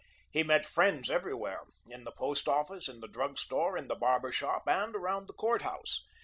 He met friends everywhere, in the Post Office, in the drug store, in the barber shop and around the court house.